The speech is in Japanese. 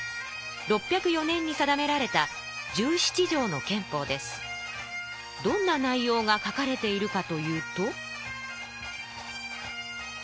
６０４年に定められたどんな内容が書かれているかというと。